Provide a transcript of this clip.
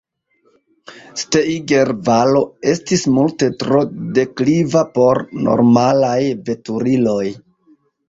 Steiger-valo estis multe tro dekliva por normalaj veturiloj.